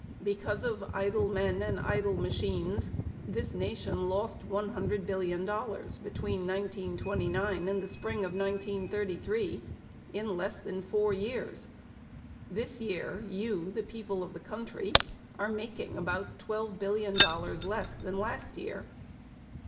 Because of idle men and idle machines this Nation lost one hundred billion dollars between 1929 and the Spring of 1933, in less than four years. This year you, the people of this country, are making about twelve billion dollars less than last year.